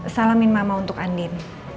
salamin mama untuk andin